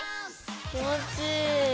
気持ちいい！